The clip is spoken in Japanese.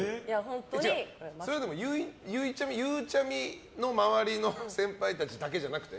それはゆうちゃみの周りの先輩たちだけじゃなくて？